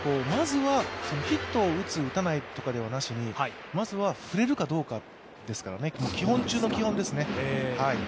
ヒットを打つ、打たないとかではなしにまずは触れるかどうかですからね、基本中の基本ですね。